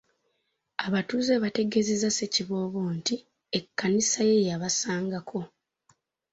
Abatuuze bategeezezza Ssekiboobo nti Ekkanisa ye yabasangako.